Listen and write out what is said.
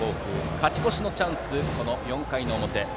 勝ち越しのチャンス、４回の表。